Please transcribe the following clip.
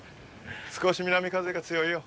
少し南風が強いよ。